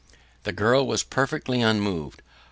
The girl was perfectly unmoved.